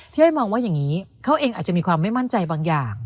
อ้อยมองว่าอย่างนี้เขาเองอาจจะมีความไม่มั่นใจบางอย่าง